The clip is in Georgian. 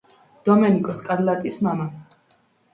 დომენიკო სკარლატის მამა.